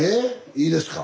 いいですか？